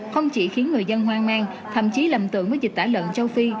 không chỉ khiến người dân hoang mang thậm chí lầm tưởng với dịch tả lợn châu phi